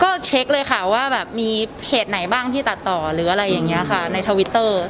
ก็เช็คเลยค่ะว่าแบบมีเพจไหนบ้างที่ตัดต่อหรืออะไรอย่างนี้ค่ะในทวิตเตอร์